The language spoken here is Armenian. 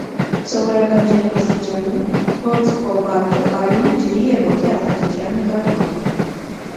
Սովորական ջերմաստիճանում հոծ կոբալտը կայուն է ջրի և օդի ազդեցության նկատմամբ։